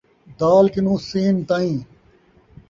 د کنوں س تائیں